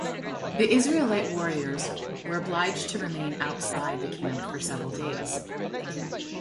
The Israelite warriors were obliged to remain outside the camp for seven days.